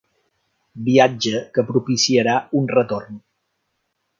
Viatge que propiciarà una retorn.